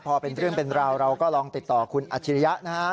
พอเป็นเรื่องเป็นราวเราก็ลองติดต่อคุณอัจฉริยะนะครับ